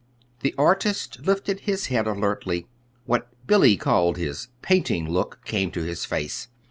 The artist lifted his head alertly. What Billy called his "painting look" came to his face.